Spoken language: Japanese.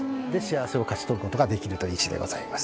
幸せを勝ち取る事ができるという石でございます。